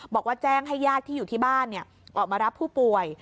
บอกว่าแจ้งให้ญาติที่อยู่ที่บ้านออกมารับผู้ป่วย